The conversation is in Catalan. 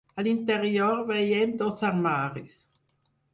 A l'interior veiem dos armaris.